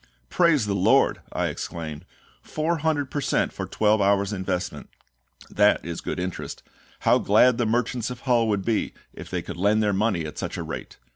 "Praise the LORD!" I exclaimed; "400 per cent for twelve hours investment; that is good interest. How glad the merchants of Hull would be if they could lend their money at such a rate!"